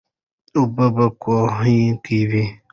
اوبه په کوهي کې وې.